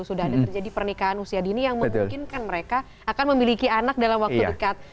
sudah ada terjadi pernikahan usia dini yang memungkinkan mereka akan memiliki anak dalam waktu dekat